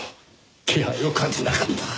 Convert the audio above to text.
気配を感じなかった。